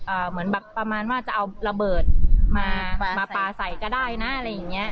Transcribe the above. เหมือนแบบประมาณว่าจะเอาระเบิดมามาปลาใส่ก็ได้นะอะไรอย่างเงี้